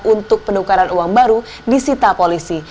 untuk penukaran uang baru disita polisi